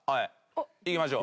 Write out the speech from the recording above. いきましょう。